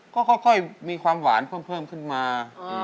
ก็ค่อยมีความหวานเพิ่มขึ้นมา